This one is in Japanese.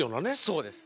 そうです。